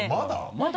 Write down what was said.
まだ？